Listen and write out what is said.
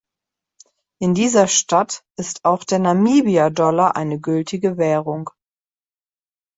In dieser Stadt ist auch der Namibia-Dollar eine gültige Währung.